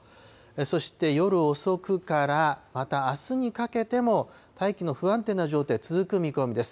そして、夜遅くから、またあすにかけても、大気の不安定な状態、続く見込みです。